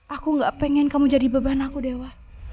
aku gak pengen kamu jadi beban aku dewa